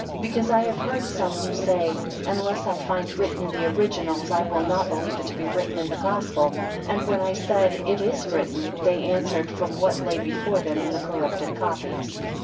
20 Because I have heard some who say; unless I find written in the originals, I will not believe it to be written in the Gospel. And when I said, It is written; they answered from what lay before them in the corrupted copies.